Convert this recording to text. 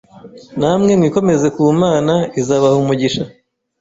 Namwe mwikomeze ku Mana, izabaha umugisha.